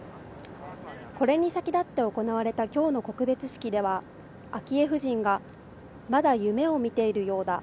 これに先立って行われたきょうの告別式では、昭恵夫人が、まだ夢を見ているようだ。